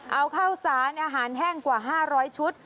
เอาข้าวสารอาหารแห้งกว่า๕๐๐ชุด